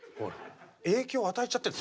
影響与えちゃってる。